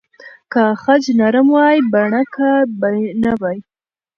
که خج نرم وای، بڼکه به نه وای.